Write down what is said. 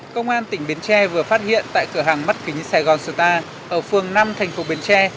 công an tỉnh bến tre vừa phát hiện tại cửa hàng mắt kính sài gòn sờ ở phường năm thành phố bến tre